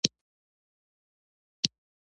همکاري د ټولنې د پراختیا مهمه وسیله ده.